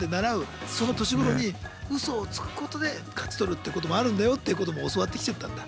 その年頃に「ウソをつくことで勝ち取るってこともあるんだよ」ってことも教わってきちゃったんだ。